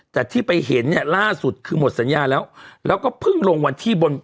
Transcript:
แต่ที่ไปเห็นเนี่ยล่าสุดคือหมดสัญญาแล้วแล้วก็เพิ่งลงวันที่บน